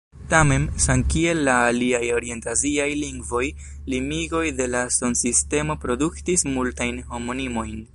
Tamen, samkiel la aliaj orient-aziaj lingvoj, limigoj de la sonsistemo produktis multajn homonimojn.